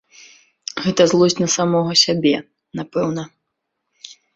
Гэта злосць на самога сябе, напэўна.